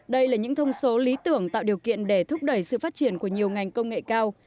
đây là những thông số lý tưởng tạo điều kiện để thúc đẩy sự phát triển của nhiều ngành công nghệ cao